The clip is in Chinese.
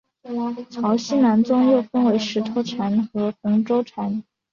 曹溪南宗又分为石头禅和洪州禅。